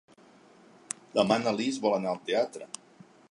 Demà na Lis vol anar al teatre.